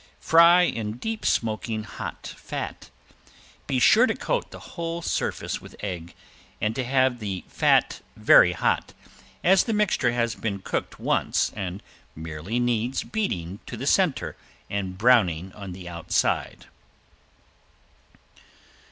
Fry in deep smoking hot fat. Be sure to coat the whole surface with egg and to have the fat very hot, as the mixture has been cooked once and merely needs beating to the center and browning on the outside.